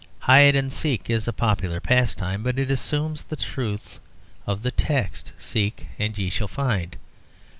Hide and seek is a popular pastime; but it assumes the truth of the text, "Seek and ye shall find."